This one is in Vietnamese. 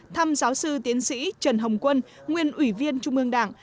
thăm giáo sư tiến sĩ trần hồng quân nguyên ủy viên trung ương đảng